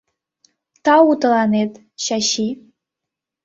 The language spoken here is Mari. Тау тыланет, Чачи!